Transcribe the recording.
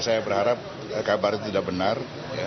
saya berharap kabar itu tidak benar